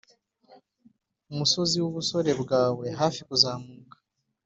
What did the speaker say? umusozi wubusore bwawe hafi kuzamuka.